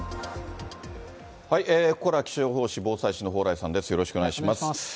ここからは気象予報士、防災士の蓬莱さんです、よろしくお願いします。